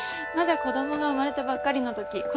まだ子どもが生まれたばっかりのとき。